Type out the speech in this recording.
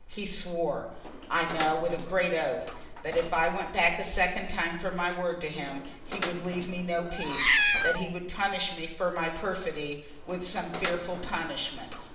He swore, I know, with a great oath, that if I went back a second time from my word to him he would leave me no peace, that he would punish me for my perfidy with some fearful punishment.